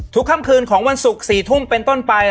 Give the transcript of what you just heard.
ค่ำคืนของวันศุกร์๔ทุ่มเป็นต้นไป